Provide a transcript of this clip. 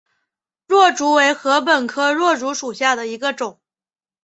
箬竹为禾本科箬竹属下的一个种。